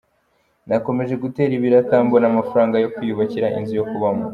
Nakomeje gutera ibiraka mbona amafaranga yo kwiyubakira inzu yo kubamo.